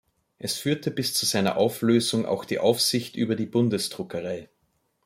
Es führte bis zu seiner Auflösung auch die Aufsicht über die Bundesdruckerei.